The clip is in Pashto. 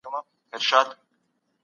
يوازې په خيال کي اوسېدل پوره نه دي.